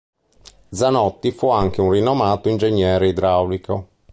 Zanotti fu anche un rinomato ingegnere idraulico.